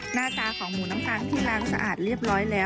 หน้าตาของหมูน้ำตาลที่ล้างสะอาดเรียบร้อยแล้ว